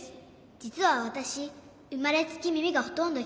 じつはわたしうまれつきみみがほとんどきこえないの。